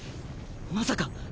まさか！